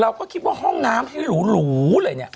เราก็คิดว่าห้องน้ำให้หรูเลยเนี่ย